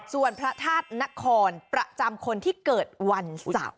ส่วนพระธาตุนครประจำคนที่เกิดวันเสาร์